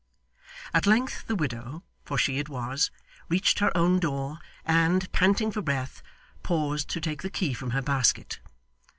At length the widow for she it was reached her own door, and, panting for breath, paused to take the key from her basket.